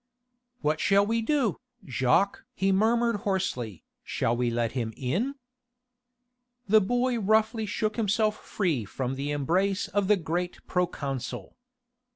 "What shall we do, Jacques?" he murmured hoarsely, "shall we let him in?" The boy roughly shook himself free from the embrace of the great proconsul.